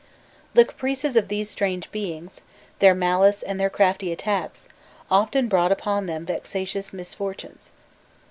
The caprices of these strange beings, their malice, and their crafty attacks, often brought upon them vexatious misfortunes.